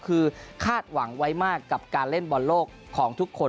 คือคาดหวังไว้มากกับการเล่นบอลโลกของทุกคน